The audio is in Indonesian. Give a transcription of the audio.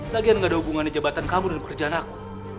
lagian gak ada hubungannya jabatan kamu dengan pekerjaan aku